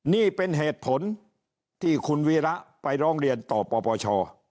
นี่เป็นเหตุผลที่คุณวีระไปร้องเรียนต่อปปช